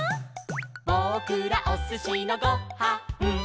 「ぼくらおすしのご・は・ん」